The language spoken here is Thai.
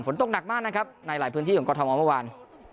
ฝนตกหนักมากนะครับในหลายพื้นที่ของกรทมเมื่อวาน